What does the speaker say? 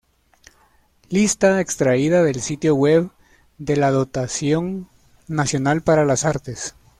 Lista extraída del sitio web de la Dotación Nacional para las Artes.